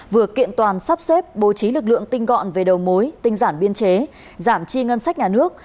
vừa kiện toàn sắp xếp bố trí lực lượng tinh gọn về đầu mối tinh giản biên chế giảm chi ngân sách nhà nước